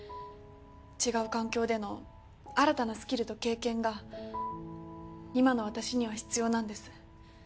違う環境での新たなスキルと経験が今の私には必要なんです。